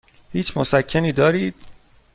هیچ مسکنی دارید؟